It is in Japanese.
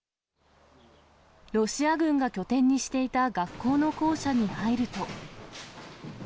ロシア軍が拠点にしていた学校の校舎に入ると。